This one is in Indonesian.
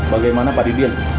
bagaimana pak didin